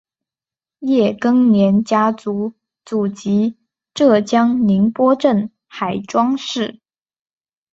叶庚年家族祖籍浙江宁波镇海庄市。